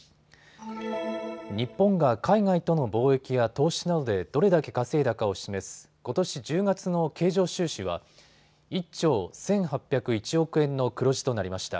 日本が海外との貿易や投資などでどれだけ稼いだかを示すことし１０月の経常収支は１兆１８０１億円の黒字となりました。